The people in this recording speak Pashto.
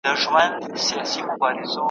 په ښکلیو نجونو چی ستایلی وم کابل نه یمه `